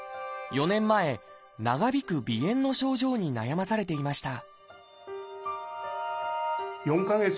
４年前長引く鼻炎の症状に悩まされていました